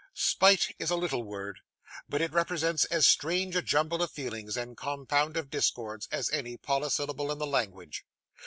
Spite is a little word; but it represents as strange a jumble of feelings, and compound of discords, as any polysyllable in the language.